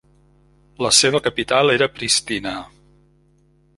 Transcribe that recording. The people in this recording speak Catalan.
La seva capital era Pristina.